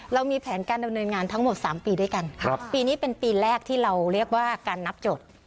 เรามีแผนการดำเนินงานทั้งหมด๓ปีด้วยกันปีนี้เป็นปีแรกที่เราเรียกว่าการนับจด